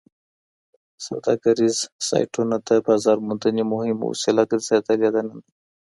سوداګریز سایټونه د بازارموندنې مهمه وسیله ګرځېدلې ده نن.